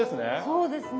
そうですね。